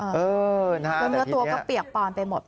แล้วเนื้อตัวก็เปียกปอนไปหมด